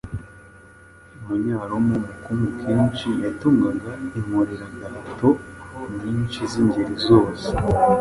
Umunyaroma w’umukungu kenshi yatungaga inkoreragahato nyinshi z’ingeri zose,